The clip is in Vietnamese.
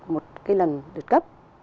một cái lần đợt cấp